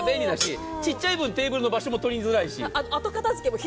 小さい分テーブルの場所もとりづらいし。